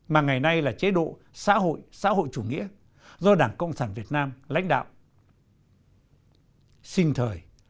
mà ngày nay là chế độ xã hội xã hội chủ nghĩa do đảng cộng sản việt nam lãnh đạo